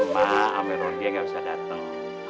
mbak amir rondie nggak bisa datang